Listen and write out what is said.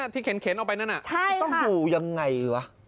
ที่เข็นเข็นเอาไปนั่น่ะใช่ค่ะต้องดูยังไงวะ